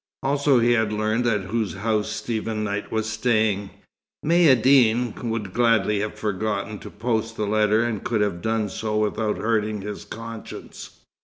Also, he had learned at whose house Stephen Knight was staying. Maïeddine would gladly have forgotten to post the letter, and could have done so without hurting his conscience.